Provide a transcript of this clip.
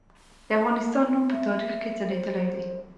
د افغانستان نوم په تاریخ کې ځلیدلی دی.